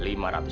lo minta berapa